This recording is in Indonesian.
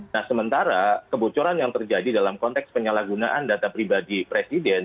nah sementara kebocoran yang terjadi dalam konteks penyalahgunaan data pribadi presiden